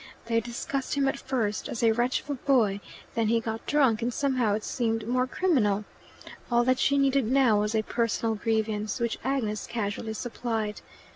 They discussed him at first as a wretch of a boy; then he got drunk and somehow it seemed more criminal. All that she needed now was a personal grievance, which Agnes casually supplied.